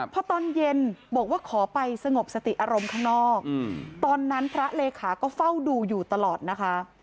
พอตอนเย็นบอกว่าขอไปสงบสติอารมณ์ข้างนอกตอนนั้นพระเลขาก็เฝ้าดูอยู่ตลอดนะคะ